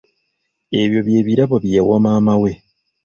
Ebyo bye birabo bye yawa maama we.